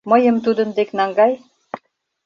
— Мыйым тудын дек наҥгай...